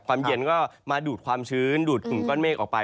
ความเย็นก็มาดูดความชื้นดูดกลุ่มก้อนเมฆออกไป